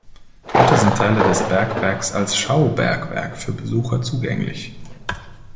Heute sind Teile des Bergwerks als Schaubergwerk für Besucher zugänglich.